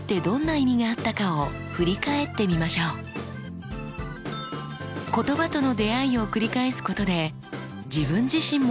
言葉との出会いを繰り返すことで自分自身も変化していきます。